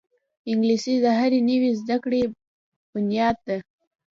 انګلیسي د هرې نوې زده کړې بنیاد ده